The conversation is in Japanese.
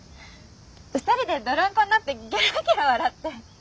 ２人で泥んこになってゲラゲラ笑って。